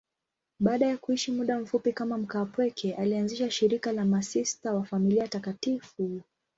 Baada ya kuishi muda mfupi kama mkaapweke, alianzisha shirika la Masista wa Familia Takatifu.